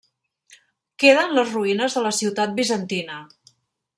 Queden les ruïnes de la ciutat bizantina.